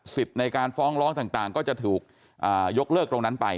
ในการฟ้องร้องต่างก็จะถูกยกเลิกตรงนั้นไป